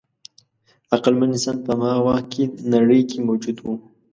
عقلمن انسان په هماغه وخت کې نړۍ کې موجود و.